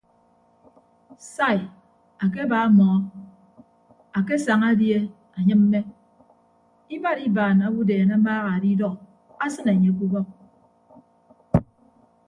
Sai akeba mọọ akesaña die anyịmme ibad ibaan owodeen amaaha adidọ asịne anye ke ubọk.